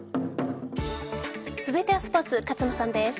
続いてはスポーツ勝野さんです。